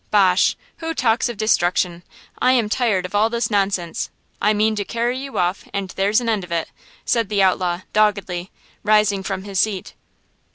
"Bosh! Who talks of destruction? I am tired of all this nonsense! I mean to carry you off and there's an end of it!" said the outlaw, doggedly, rising from his seat.